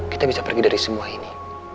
kita bisa pergi dari semua ini